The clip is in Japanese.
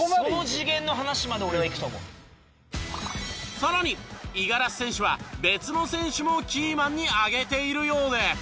更に五十嵐選手は別の選手もキーマンに挙げているようで。